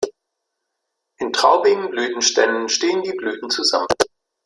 In traubigen Blütenständen stehen die Blüten zusammen.